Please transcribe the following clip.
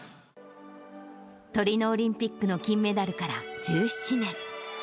トリノオリンピックの金メダルから１７年。